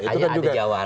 makanya ada jawara